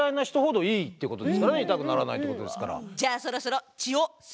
痛くならないってことですから。